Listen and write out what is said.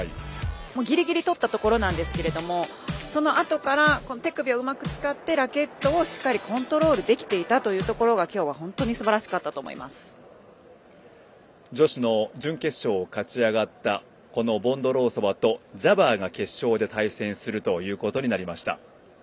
ぎりぎり取ったところなんですけどもそのあとから手首をうまく使ってラケットをしっかりコントロールできていたというところが今日は本当に女子の準決勝勝ち上がったボンドロウソバとジャバーが決勝で対戦するということになりました。